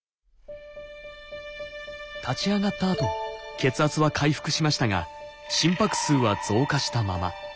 立ち上がったあと血圧は回復しましたが心拍数は増加したまま。